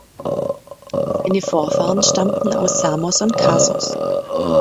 Seine Vorfahren stammten aus Samos und Kasos.